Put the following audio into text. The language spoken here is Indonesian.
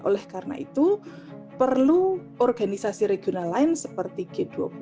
oleh karena itu perlu organisasi regional lain seperti g dua puluh